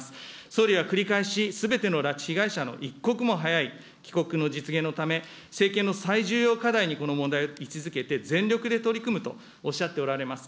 総理は繰り返し、すべての拉致被害者の一刻も早い帰国の実現のため、政権の最重要課題にこの問題を位置づけて、全力で取り組むとおっしゃっておられます。